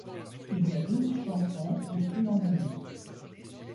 Il y a douze chansons plus une en bonus.